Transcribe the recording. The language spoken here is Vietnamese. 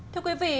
thưa quý vị